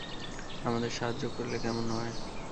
আমাদের সাহায্য করলে কেমন হয়?